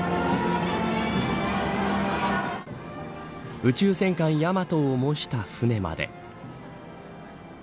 宇宙戦艦ヤマトを模した船まで。